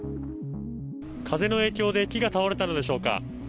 風の影響で木が倒れたのでしょうか。